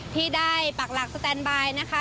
ที่ได้ปักหลักสแตนบายนะคะ